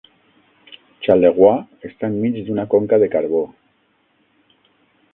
Charleroi està enmig d'una conca de carbó.